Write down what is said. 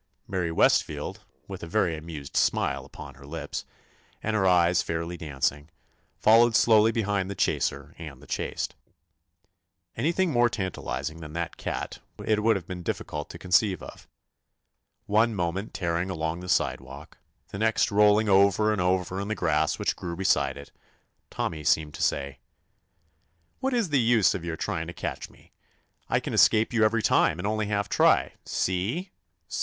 Mary Westfield, with a very amused smile upon her lips, and her eyes 95 THE ADVENTURES OF fairly dancing, followed slowly be hind the chaser and the chased. Anything more tantalizing than that cat it would have been difficult to conceive of. One moment tearing along the sidewalk, the next rolling over and over in the grass which grew beside it, Tommy seemed to say; What is the use of your trying to catch me? I can escape you every time and only half try. See?